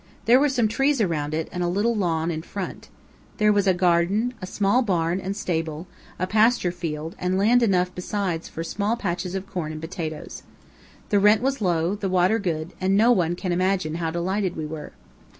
There were some trees around it, and a little lawn in front. There was a garden, a small barn and stable, a pasture field, and land enough besides for small patches of corn and potatoes. The rent was low, the water good, and no one can imagine how delighted we were.